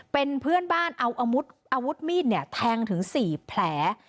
เป็นเพื่อนบ้านเอาอาวุธมีดเนี่ยแทงถึง๔แผล